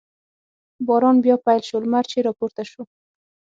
باران بیا پیل شو، لمر چې را پورته شو.